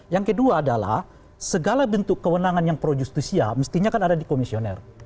yang kedua adalah segala bentuk kewenangan yang pro justisia mestinya kan ada di komisioner